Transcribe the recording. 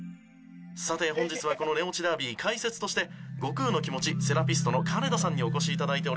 さて本日はこの寝落ちダービー解説として悟空のきもちセラピストの金田さんにお越し頂いております。